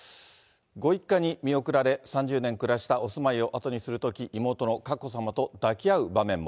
ご一家に見送られ、３０年暮らしたお住まいを後にするとき、妹の佳子さまと抱き合う場面も。